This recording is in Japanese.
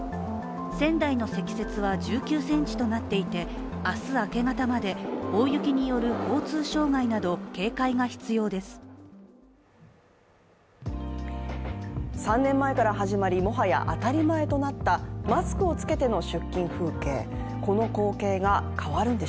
仙台の積雪は１９ｃｍとなっていて、明日明け方まで大雪による交通障害など、警戒が必要です。